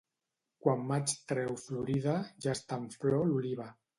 Quan maig treu florida, ja està en flor l'oliva.